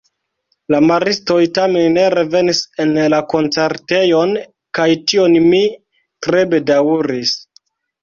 La maristoj tamen ne revenis en la koncertejon kaj tion mi tre bedaŭris.